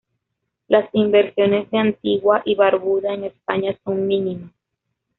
Las inversiones de Antigua y Barbuda en España son mínimas.